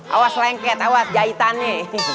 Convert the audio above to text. awas lengket awas jahitannya